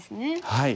はい。